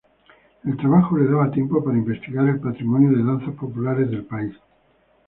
El trabajo le daba tiempo para investigar el patrimonio de danzas populares del país.